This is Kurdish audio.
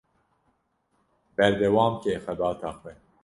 Berdewamke xebata xwe.